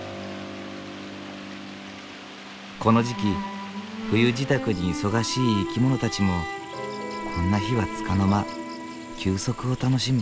この時期冬支度に忙しい生き物たちもこんな日はつかの間休息を楽しむ。